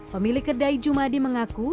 pemilik kedai jumadi mengaku